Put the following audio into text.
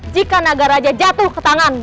jika naga raja jatuh ke tangan